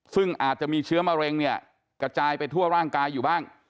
ซึ่งอาจจะมีเชื้อมะเร็งเนี่ยกระจายไปทั่วร่างกายอยู่บ้าง